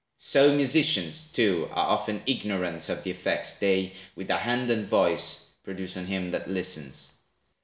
So, Musicians, too, are often ignorant Of the effects they with the hand and voice Produce on him that listens.